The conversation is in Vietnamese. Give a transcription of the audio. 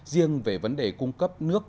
riêng về vấn đề cung cấp nước